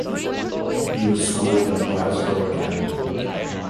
He was schooled at Glasgow Academy.